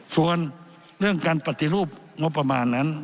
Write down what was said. ส่วนเรื่องการปฏิรูปงบประมาณนั้น